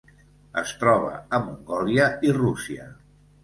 Es troba a Mongòlia i Rússia.